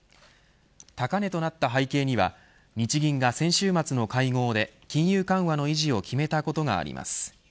高値となった背景には日銀が先週末の会合で金融緩和の維持を決めたことがあります。